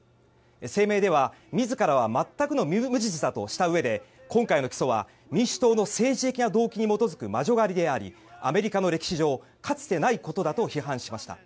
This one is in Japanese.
声明では自らは全くの無実だとしたうえで今回の起訴は民主党の政治的な動機に基づく魔女狩りでありアメリカの歴史上かつてないことだと批判しました。